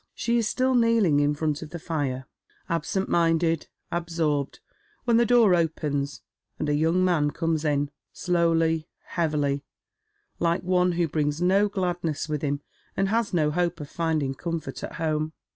She is still kneeUng in front of the fire, absent minded, absorbed, when the door opens, and a young man comes in, slowly, heavily, like one who brings no gladness with him, and has no hope of finding tomfort at home.